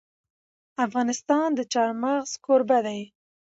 افغانستان د چار مغز کوربه دی.